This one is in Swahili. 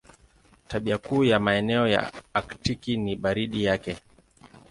Tabia kuu ya maeneo ya Aktiki ni baridi yake.